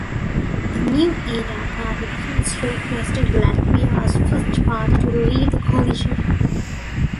The New Era Party first requested Latvia's First Party to leave the coalition.